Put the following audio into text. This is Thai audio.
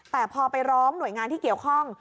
แต่พอไปร้องหน่วยงานที่เกี่ยวข้อง